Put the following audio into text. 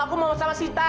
aku mau sama sita